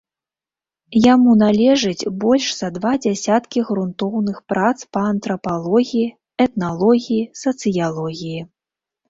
Яму належыць больш за два дзесяткі грунтоўных прац па антрапалогіі, этналогіі, сацыялогіі.